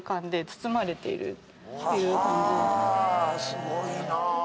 すごいなぁ。